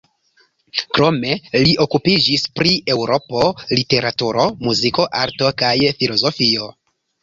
Krome li okupiĝis pri eŭropa literaturo, muziko, arto kaj filozofio.